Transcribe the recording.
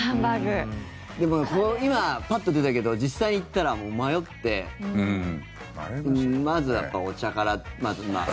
でも、今パッと出たけど実際行ったら、もう迷ってまずはやっぱお茶から、まあ。